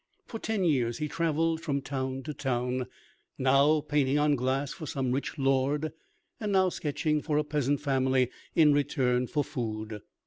For ten years he travelled from town to town, now painting on glass for some rich lord, and now sketching for a peasant family in return for food.